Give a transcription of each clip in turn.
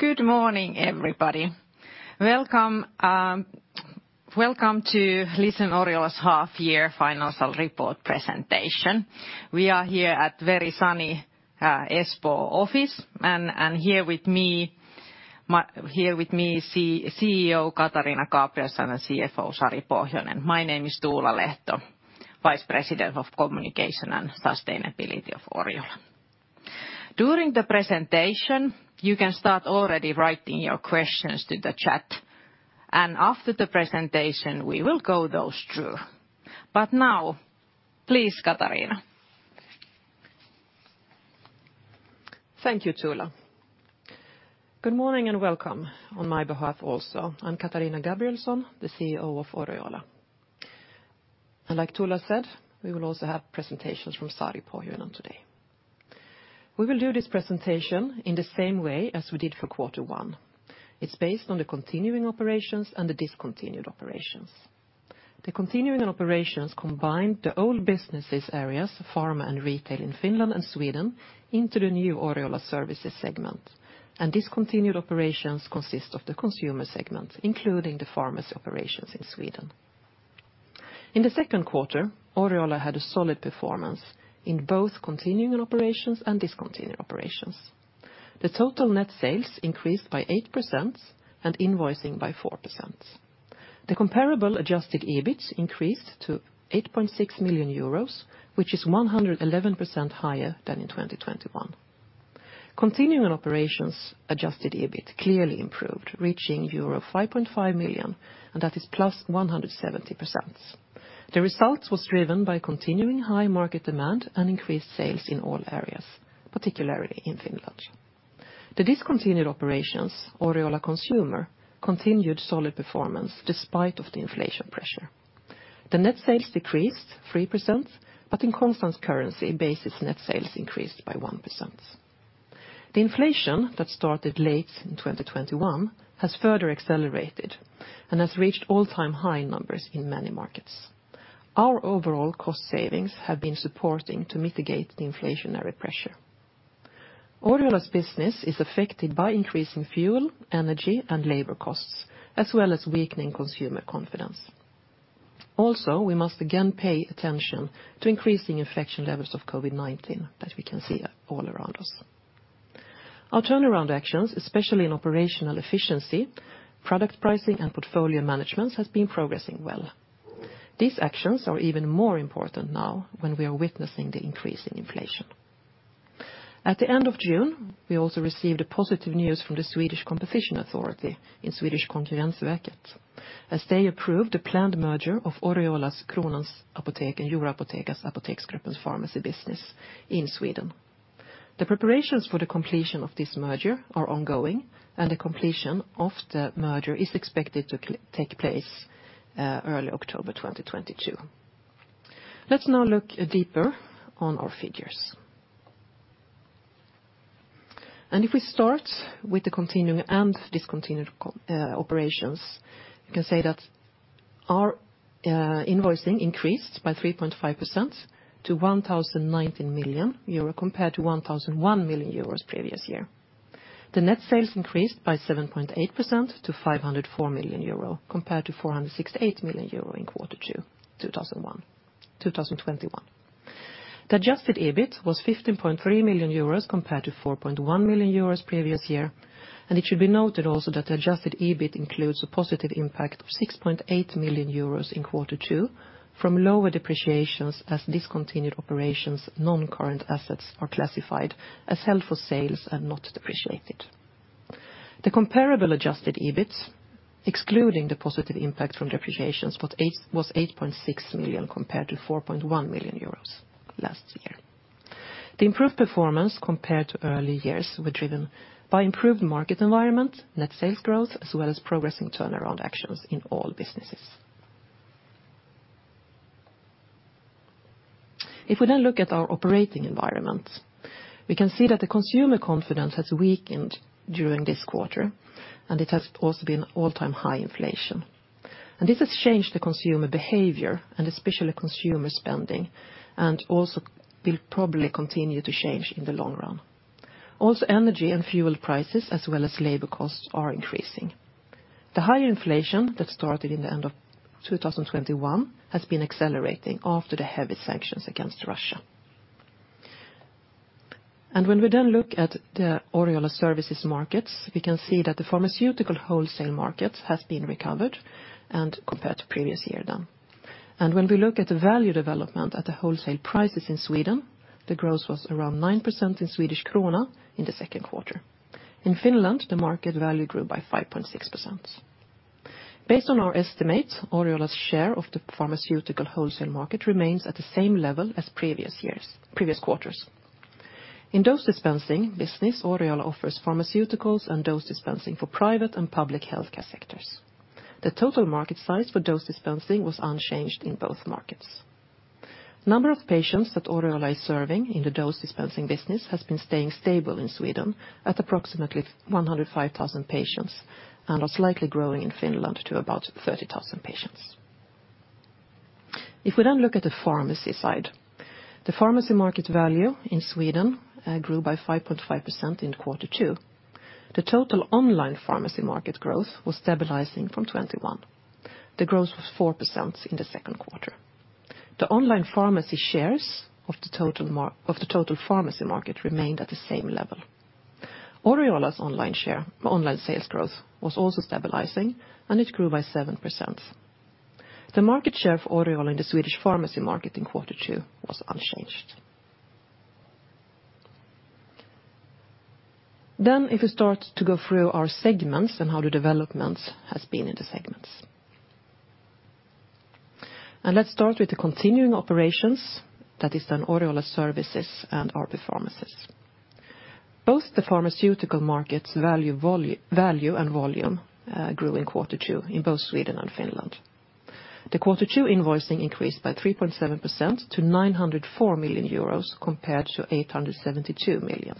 Good morning, everybody. Welcome to Oriola's half-year financial report presentation. We are here at very sunny Espoo office, and here with me CEO Katarina Gabrielson and CFO Sari Pohjonen. My name is Tuula Lehto, Vice President of Communications and Sustainability of Oriola. During the presentation, you can start already writing your questions to the chat, and after the presentation, we will go those through. Now, please, Katarina. Thank you, Tuula. Good morning, and welcome on my behalf also. I'm Katarina Gabrielson, the CEO of Oriola. Like Tuula said, we will also have presentations from Sari Pohjonen today. We will do this presentation in the same way as we did for quarter one. It's based on the continuing operations and the discontinued operations. The continuing operations combined the old business areas, pharma and retail in Finland and Sweden, into the new Oriola Services segment. Discontinued operations consist of the Consumer segment, including the pharmacy operations in Sweden. In the second quarter, Oriola had a solid performance in both continuing operations and discontinued operations. The total net sales increased by 8% and invoicing by 4%. The comparable adjusted EBIT increased to 8.6 million euros, which is 111% higher than in 2021. Continuing operations adjusted EBIT clearly improved, reaching euro 5.5 million, and that is +170%. The results was driven by continuing high market demand and increased sales in all areas, particularly in Finland. The discontinued operations, Oriola Consumer, continued solid performance despite of the inflation pressure. The net sales decreased 3%, but in constant currency basis, net sales increased by 1%. The inflation that started late in 2021 has further accelerated and has reached all-time high numbers in many markets. Our overall cost savings have been supporting to mitigate the inflationary pressure. Oriola's business is affected by increasing fuel, energy, and labor costs, as well as weakening consumer confidence. Also, we must again pay attention to increasing infection levels of COVID-19 that we can see all around us. Our turnaround actions, especially in operational efficiency, product pricing, and portfolio management, has been progressing well. These actions are even more important now when we are witnessing the increase in inflation. At the end of June, we also received a positive news from the Swedish Competition Authority, Konkurrensverket, as they approved the planned merger of Oriola's Kronans Apotek and Euroapotheca's Apoteksgruppen pharmacy business in Sweden. The preparations for the completion of this merger are ongoing, and the completion of the merger is expected to take place early October 2022. Let's now look deeper on our figures. If we start with the continuing and discontinued operations, you can say that our invoicing increased by 3.5% to 1,019 million euro compared to 1,001 million euros previous year. The net sales increased by 7.8% to 504 million euro compared to 468 million euro in quarter two, 2021. The adjusted EBIT was 15.3 million euros compared to 4.1 million euros previous year, and it should be noted also that the adjusted EBIT includes a positive impact of 6.8 million euros in quarter two from lower depreciation as discontinued operations' non-current assets are classified as held for sale and not depreciated. The comparable adjusted EBITs, excluding the positive impact from depreciation, was 8.6 million compared to 4.1 million euros last year. The improved performance compared to earlier years was driven by improved market environment, net sales growth, as well as progressing turnaround actions in all businesses. If we then look at our operating environment, we can see that the consumer confidence has weakened during this quarter, and it has also been all-time high inflation. This has changed the consumer behavior and especially consumer spending, and also will probably continue to change in the long run. Energy and fuel prices, as well as labor costs are increasing. The high inflation that started in the end of 2021 has been accelerating after the heavy sanctions against Russia. When we then look at the Oriola Services markets, we can see that the pharmaceutical wholesale market has been recovered and compared to previous year then. When we look at the value development at the wholesale prices in Sweden, the growth was around 9% in Swedish krona in the second quarter. In Finland, the market value grew by 5.6%. Based on our estimates, Oriola's share of the pharmaceutical wholesale market remains at the same level as previous quarters. In dose dispensing business, Oriola offers pharmaceuticals and dose dispensing for private and public healthcare sectors. The total market size for dose dispensing was unchanged in both markets. Number of patients that Oriola is serving in the dose dispensing business has been staying stable in Sweden at approximately 105,000 patients and are slightly growing in Finland to about 30,000 patients. If we then look at the pharmacy side, the pharmacy market value in Sweden grew by 5.5% in quarter two. The total online pharmacy market growth was stabilizing from 2021. The growth was 4% in the second quarter. The online pharmacy shares of the total pharmacy market remained at the same level. Oriola's online share, online sales growth was also stabilizing, and it grew by 7%. The market share for Oriola in the Swedish pharmacy market in quarter two was unchanged. If you start to go through our segments and how the developments has been in the segments. Let's start with the continuing operations, that is then Oriola Services and our performances. Both the pharmaceutical markets value value and volume grew in quarter two in both Sweden and Finland. The quarter two invoicing increased by 3.7% to 904 million euros, compared to 872 million.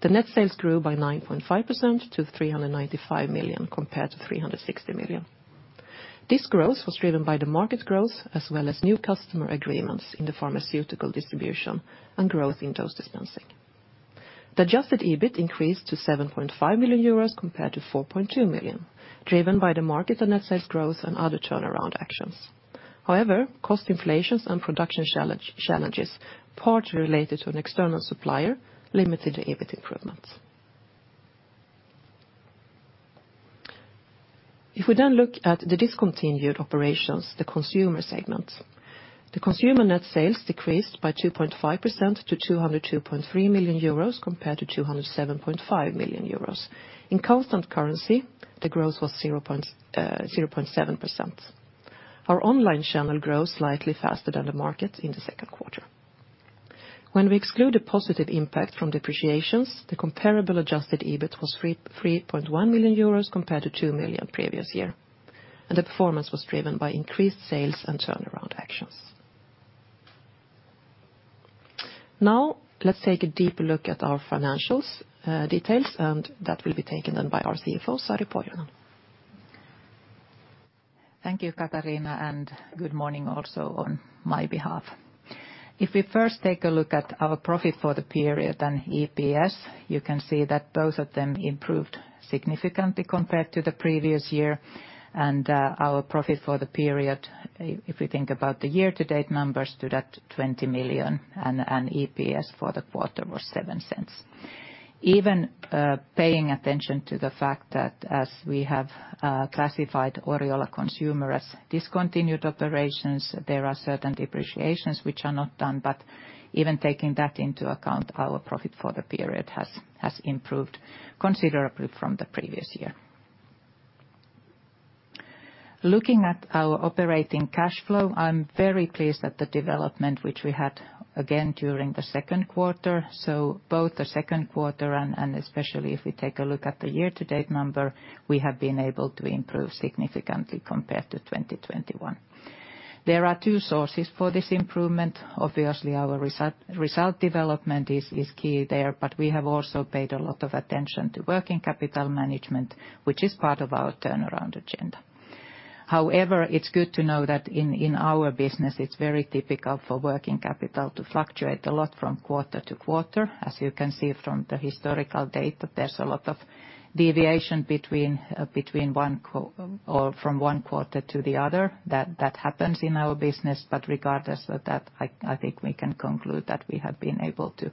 The net sales grew by 9.5% to 395 million, compared to 360 million. This growth was driven by the market growth as well as new customer agreements in the pharmaceutical distribution and growth in dose dispensing. The adjusted EBIT increased to 7.5 million euros compared to 4.2 million, driven by the market and net sales growth and other turnaround actions. However, cost inflations and production challenges, partly related to an external supplier, limited the EBIT improvements. If we then look at the discontinued operations, the Consumer segment. The Consumer net sales decreased by 2.5% to 202.3 million euros compared to 207.5 million euros. In constant currency, the growth was zero point 0.7%. Our online channel grows slightly faster than the market in the second quarter. When we exclude the positive impact from depreciations, the comparable adjusted EBIT was 3.1 million euros compared to 2 million previous year, and the performance was driven by increased sales and turnaround actions. Now let's take a deeper look at our financials, details, and that will be taken on by our CFO, Sari Pohjonen. Thank you, Katarina, and good morning also on my behalf. If we first take a look at our profit for the period and EPS, you can see that both of them improved significantly compared to the previous year, and our profit for the period, if we think about the year to date numbers, stood at 20 million, and EPS for the quarter was 0.07. Even paying attention to the fact that as we have classified Oriola Consumer as discontinued operations, there are certain depreciations which are not done. But even taking that into account, our profit for the period has improved considerably from the previous year. Looking at our operating cash flow, I'm very pleased at the development which we had again during the second quarter. Both the second quarter and especially if we take a look at the year-to-date number, we have been able to improve significantly compared to 2021. There are two sources for this improvement. Obviously, our result development is key there, but we have also paid a lot of attention to working capital management, which is part of our turnaround agenda. However, it's good to know that in our business it's very typical for working capital to fluctuate a lot from quarter to quarter. As you can see from the historical data, there's a lot of deviation from one quarter to the other that happens in our business. Regardless of that, I think we can conclude that we have been able to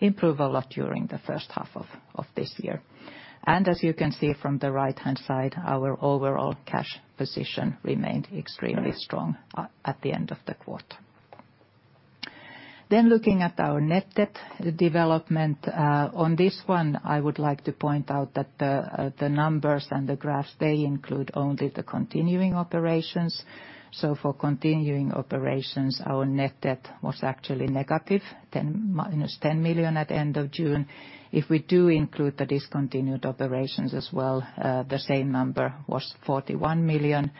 improve a lot during the first half of this year. As you can see from the right-hand side, our overall cash position remained extremely strong at the end of the quarter. Looking at our net debt development, on this one, I would like to point out that the numbers and the graphs, they include only the continuing operations. For continuing operations, our net debt was actually negative 10 million at end of June. If we do include the discontinued operations as well, the same number was 41 million.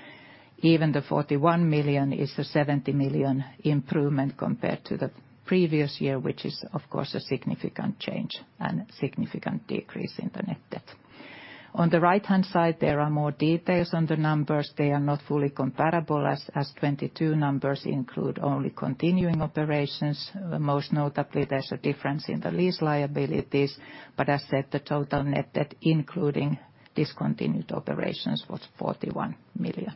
Even the 41 million is a 70 million improvement compared to the previous year, which is of course a significant change and significant decrease in the net debt. On the right-hand side, there are more details on the numbers. They are not fully comparable as 2022 numbers include only continuing operations. Most notably, there's a difference in the lease liabilities. As said, the total net debt, including discontinued operations, was 41 million.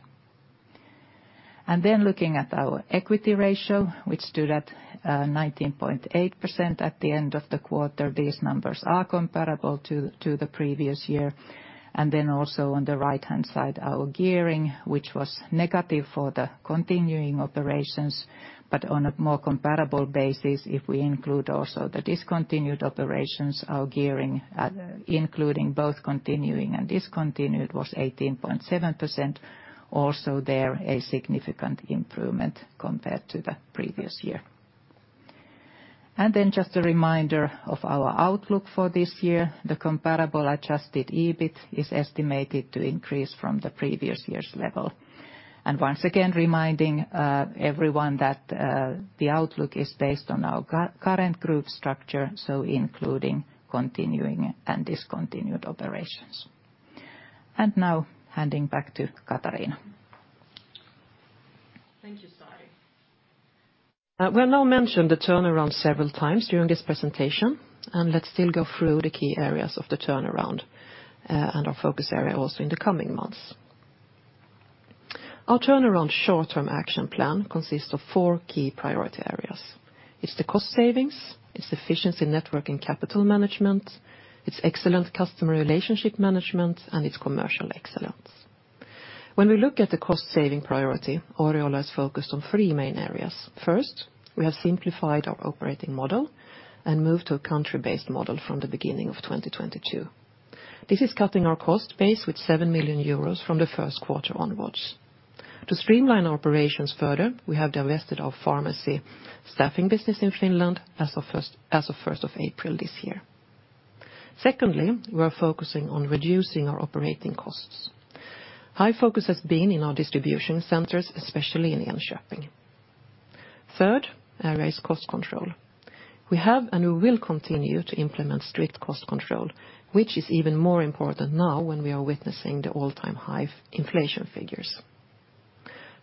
Looking at our equity ratio, which stood at 19.8% at the end of the quarter, these numbers are comparable to the previous year. Also on the right-hand side, our gearing, which was negative for the continuing operations. On a more comparable basis, if we include also the discontinued operations, our gearing, including both continuing and discontinued was 18.7%. Also there a significant improvement compared to the previous year. Just a reminder of our outlook for this year. The comparable adjusted EBIT is estimated to increase from the previous year's level. Once again reminding everyone that the outlook is based on our current group structure, so including continuing and discontinued operations. Now handing back to Katarina. Thank you, Sari. We have now mentioned the turnaround several times during this presentation. Let's still go through the key areas of the turnaround, and our focus area also in the coming months. Our turnaround short-term action plan consists of four key priority areas. It's the cost savings, it's efficiency network and capital management, it's excellent customer relationship management, and it's commercial excellence. When we look at the cost saving priority, Oriola is focused on three main areas. First, we have simplified our operating model and moved to a country-based model from the beginning of 2022. This is cutting our cost base with 7 million euros from the first quarter onwards. To streamline our operations further, we have divested our pharmacy staffing business in Finland as of first of April this year. Secondly, we are focusing on reducing our operating costs. High focus has been in our distribution centers, especially in Enköping. Third area is cost control. We have and we will continue to implement strict cost control, which is even more important now when we are witnessing the all-time high inflation figures.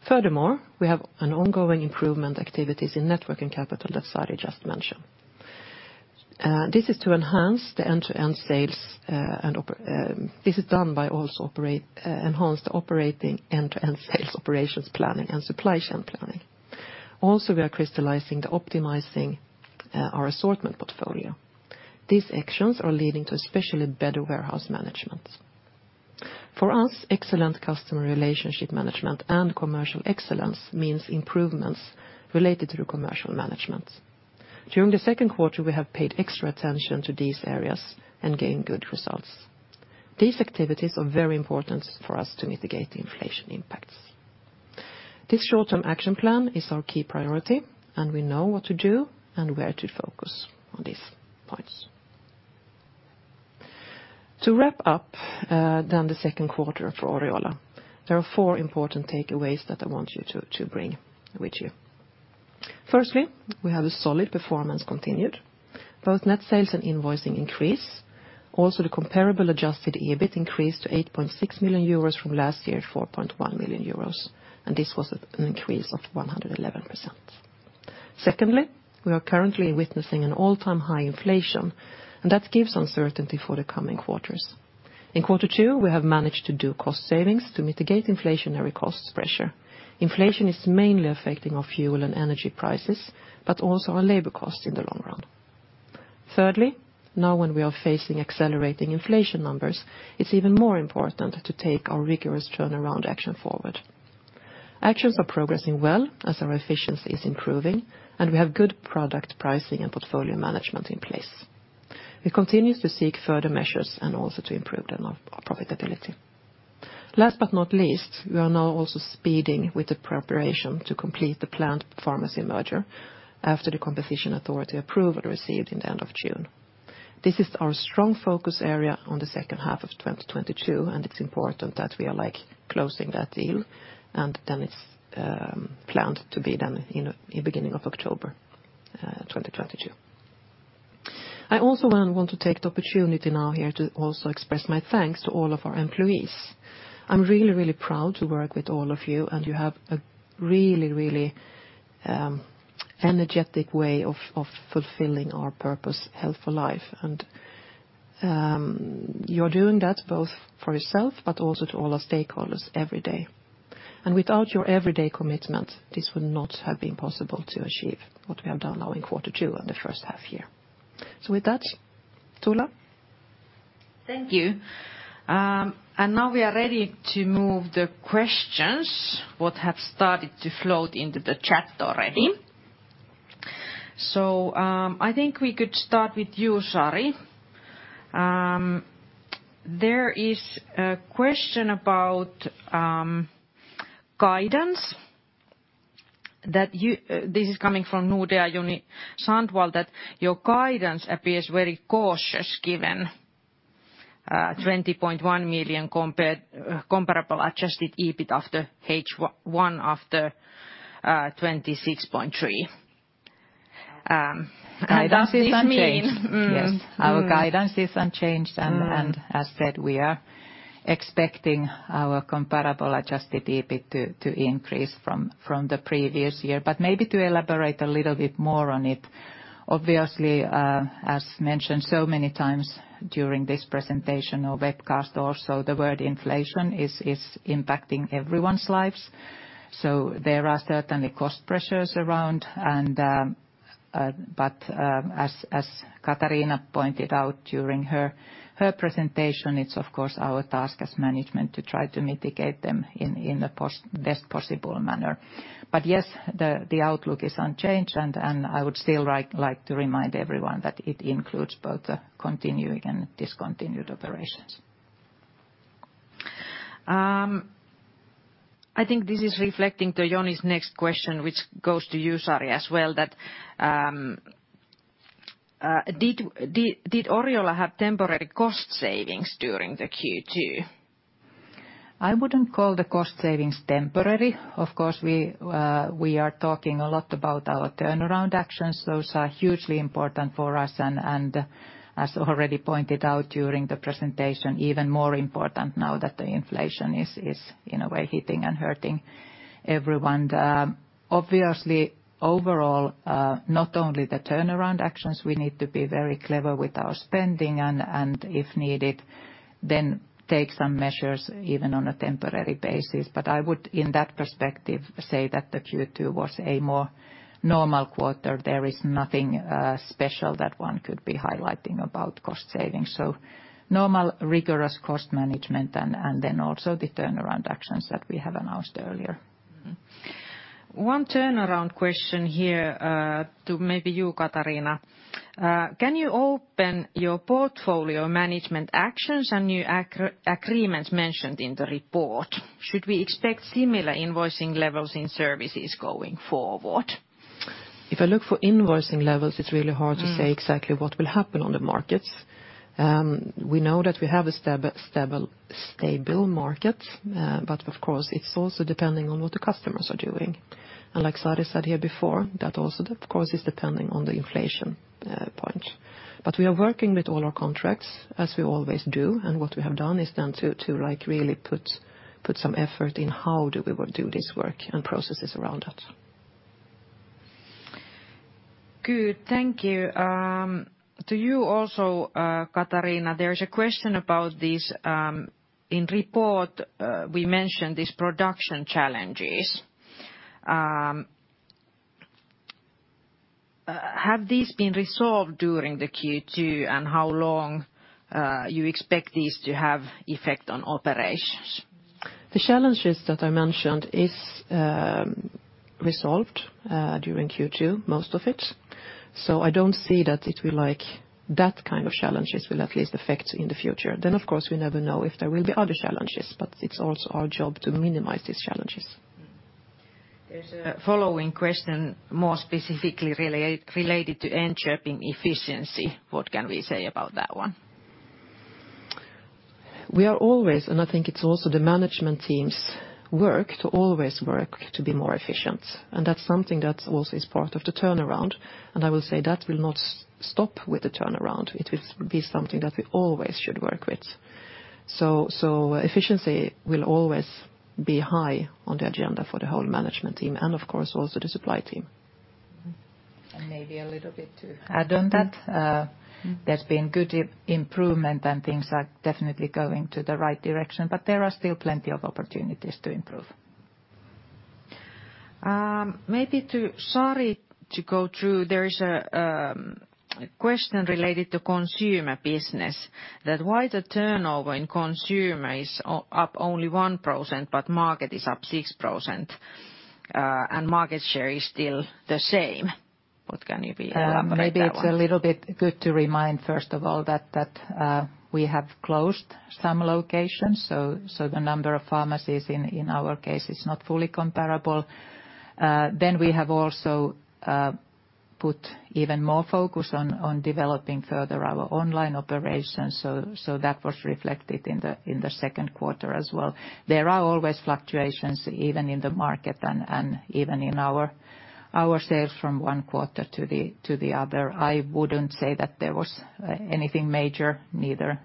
Furthermore, we have an ongoing improvement activities in network and capital that Sari just mentioned. This is to enhance the end-to-end sales and operations. This is done by enhancing the operating end-to-end sales operations planning and supply chain planning. Also, we are optimizing our assortment portfolio. These actions are leading to especially better warehouse management. For us, excellent customer relationship management and commercial excellence means improvements related to commercial management. During the second quarter, we have paid extra attention to these areas and gained good results. These activities are very important for us to mitigate the inflation impacts. This short-term action plan is our key priority, and we know what to do and where to focus on these points. To wrap up, then the second quarter for Oriola, there are four important takeaways that I want you to bring with you. Firstly, we have a solid performance continued. Both net sales and invoicing increase. Also, the comparable adjusted EBIT increased to 8.6 million euros from last year at 4.1 million euros, and this was an increase of 111%. Secondly, we are currently witnessing an all-time high inflation, and that gives uncertainty for the coming quarters. In quarter two, we have managed to do cost savings to mitigate inflationary cost pressure. Inflation is mainly affecting our fuel and energy prices, but also our labor costs in the long run. Thirdly, now when we are facing accelerating inflation numbers, it's even more important to take our rigorous turnaround action forward. Actions are progressing well as our efficiency is improving, and we have good product pricing and portfolio management in place. We continue to seek further measures and also to improve our profitability. Last but not least, we are now also speeding up the preparation to complete the planned pharmacy merger after the Competition Authority approval received in the end of June. This is our strong focus area on the second half of 2022, and it's important that we are, like, closing that deal, and then it's planned to be done in, you know, in the beginning of October 2022. I also want to take the opportunity now here to also express my thanks to all of our employees. I'm really proud to work with all of you, and you have a really energetic way of fulfilling our purpose, Health for Life. You're doing that both for yourself but also to all our stakeholders every day. Without your everyday commitment, this would not have been possible to achieve what we have done now in quarter two and the first half year. With that, Tuula. Thank you. Now we are ready to move to the questions that have started to float into the chat already. I think we could start with you, Sari. There is a question about guidance. This is coming from Nordea, Joni Sandvall, that your guidance appears very cautious given 20.1 million compared to comparable adjusted EBIT after H1 of 26.3 million. Guidance is unchanged. Does this mean? Yes. Our guidance is unchanged. Mm. As said, we are expecting our comparable adjusted EBIT to increase from the previous year. Maybe to elaborate a little bit more on it, obviously, as mentioned so many times during this presentation or webcast also, the word inflation is impacting everyone's lives. There are certainly cost pressures around and as Katarina pointed out during her presentation, it's of course our task as management to try to mitigate them in the best possible manner. Yes, the outlook is unchanged, and I would still like to remind everyone that it includes both the continuing and discontinued operations. I think this is relating to Joni's next question, which goes to you, Sari, as well, that did Oriola have temporary cost savings during the Q2? I wouldn't call the cost savings temporary. Of course, we are talking a lot about our turnaround actions. Those are hugely important for us and as already pointed out during the presentation, even more important now that the inflation is in a way hitting and hurting everyone. Obviously, overall, not only the turnaround actions, we need to be very clever with our spending and if needed, then take some measures even on a temporary basis. I would, in that perspective, say that the Q2 was a more normal quarter. There is nothing special that one could be highlighting about cost savings. Normal rigorous cost management and then also the turnaround actions that we have announced earlier. One turnaround question here, to maybe you, Katarina. Can you open your portfolio management actions and new acquisition agreements mentioned in the report? Should we expect similar invoicing levels in Services going forward? If I look for invoicing levels, it's really hard to say. Mm. Exactly what will happen on the markets. We know that we have a stable market. Of course, it's also depending on what the customers are doing. Like Sari said here before, that also, of course, is depending on the inflation point. We are working with all our contracts as we always do, and what we have done is then to like really put some effort in how do we do this work and processes around that. Good. Thank you. To you also, Katarina, there is a question about this. In report, we mentioned these production challenges. Have these been resolved during the Q2, and how long you expect these to have effect on operations? The challenges that I mentioned is resolved during Q2, most of it. I don't see that it will like, that kind of challenges will at least affect in the future. Of course, we never know if there will be other challenges, but it's also our job to minimize these challenges. There's a following question more specifically related to Enköping efficiency. What can we say about that one? I think it's also the management team's work to always work to be more efficient. That's something that also is part of the turnaround, and I will say that will not stop with the turnaround. It will be something that we always should work with. Efficiency will always be high on the agenda for the whole management team and of course, also the supply team. Mm-hmm. Maybe a little bit to add on that. There's been good improvement, and things are definitely going in the right direction, but there are still plenty of opportunities to improve. Maybe to Sari to go through. There is a question related to consumer business that why the turnover in consumer is up only 1%, but market is up 6%, and market share is still the same. What can you elaborate that one? Maybe it's a little bit good to remind, first of all, that we have closed some locations. The number of pharmacies in our case is not fully comparable. We have also put even more focus on developing further our online operations. That was reflected in the second quarter as well. There are always fluctuations even in the market and even in our sales from one quarter to the other. I wouldn't say that there was anything major, neither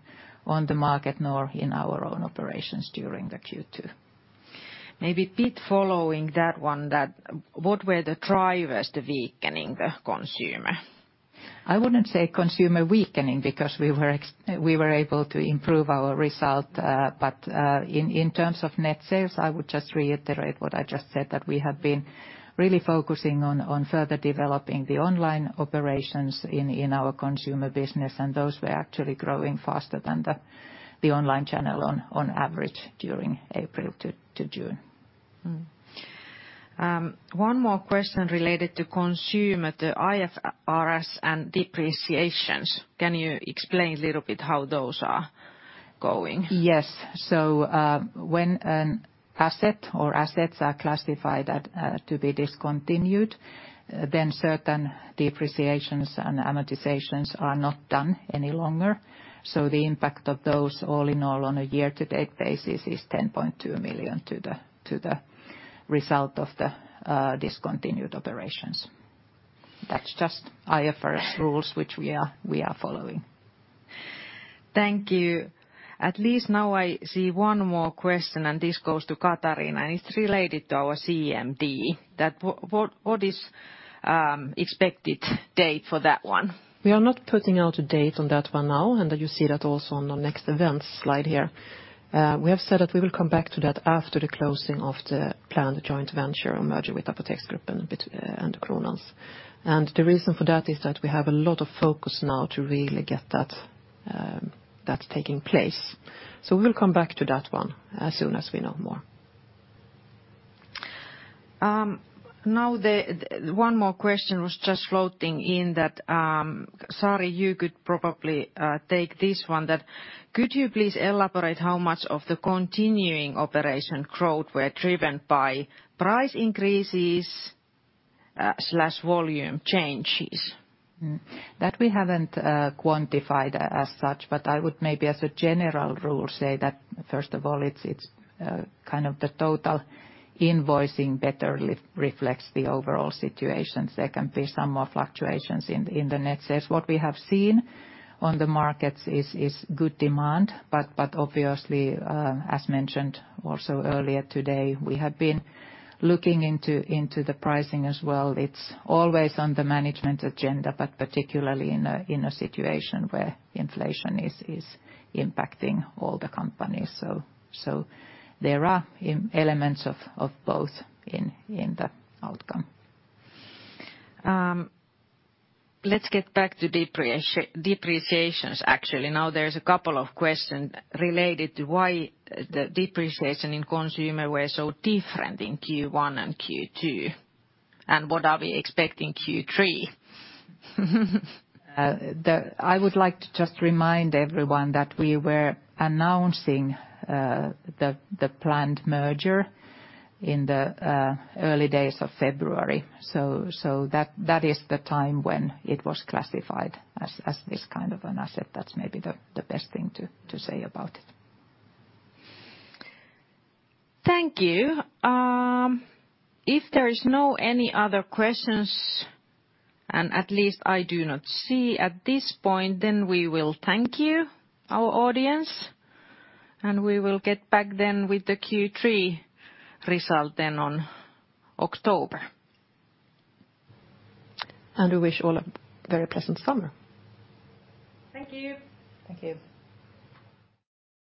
on the market nor in our own operations during the Q2. Maybe, Pit, following that one then, what were the drivers to weakening the Consumer? I wouldn't say consumer weakening because we were able to improve our result. In terms of net sales, I would just reiterate what I just said that we have been really focusing on further developing the online operations in our consumer business, and those were actually growing faster than the online channel on average during April to June. One more question related to Consumer, the IFRS and depreciation. Can you explain a little bit how those are going? Yes. When an asset or assets are classified as to be discontinued, then certain depreciations and amortizations are not done any longer. The impact of those all in all on a year-to-date basis is 10.2 million to the result of the discontinued operations. That's just IFRS rules, which we are following. Thank you. At least now I see one more question, and this goes to Katarina, and it's related to our CMD, that what is expected date for that one? We are not putting out a date on that one now, and you see that also on the next events slide here. We have said that we will come back to that after the closing of the planned joint venture or merger with Apoteksgruppen and Kronans. The reason for that is that we have a lot of focus now to really get that taking place. We'll come back to that one as soon as we know more. One more question was just floating in that, Sari. You could probably take this one. Could you please elaborate how much of the continuing operation growth were driven by price increases slash volume changes? That we haven't quantified as such, but I would maybe as a general rule say that, first of all, it's kind of the total invoicing better reflects the overall situations. There can be some more fluctuations in the net sales. What we have seen on the markets is good demand, but obviously, as mentioned also earlier today, we have been looking into the pricing as well. It's always on the management agenda, but particularly in a situation where inflation is impacting all the companies. There are elements of both in the outcome. Let's get back to depreciations actually. Now there's a couple of questions related to why the depreciation in Consumer were so different in Q1 and Q2, and what are we expecting Q3? I would like to just remind everyone that we were announcing the planned merger in the early days of February. That is the time when it was classified as this kind of an asset. That's maybe the best thing to say about it. Thank you. If there is no any other questions, and at least I do not see at this point, then we will thank you, our audience, and we will get back then with the Q3 result then on October. We wish all a very pleasant summer. Thank you. Thank you.